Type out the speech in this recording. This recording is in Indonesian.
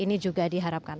ini juga diharapkan